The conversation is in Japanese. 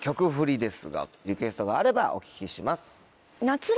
リクエストがあればお聞きします。